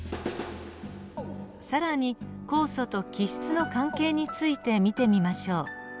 更に酵素と基質の関係について見てみましょう。